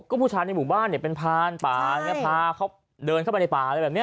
ก็ผู้ชายในหมู่บ้านเนี่ยเป็นพานป่าพาเขาเดินเข้าไปในป่าอะไรแบบนี้